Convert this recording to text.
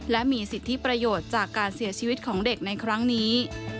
และมีสิทธิประโยชน์จากการเสียชีวิตของเด็กในครั้งนี้